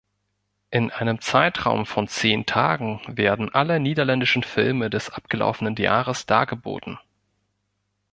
In einem Zeitraum von zehn Tagen werden alle niederländischen Filme des abgelaufenen Jahres dargeboten.